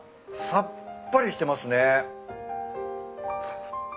さっぱりしてますね。